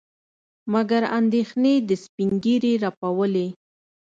مګر اندېښنې د سپينږيري رپولې.